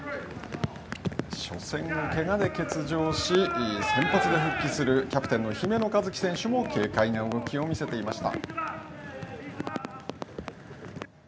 初戦をけがで欠場し先発で復帰するキャプテンの姫野和樹選手も軽快な動きを見せていました。